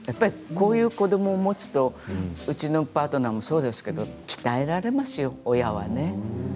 こういう子どもを持つとうちのパートナーもそうですけれども、鍛えられますよ親がね。